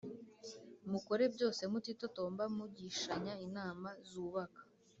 Mukore byose mutitotomba mugishanya inama zubaka